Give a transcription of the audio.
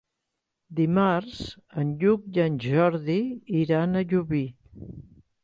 Dimarts en Lluc i en Jordi iran a Llubí.